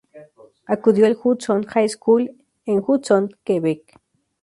Acudió al Hudson High School, en Hudson, Quebec.